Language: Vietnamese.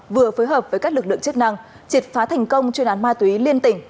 vừa phối hợp với các lực lượng chức năng triệt phá thành công chuyên án ma túy liên tỉnh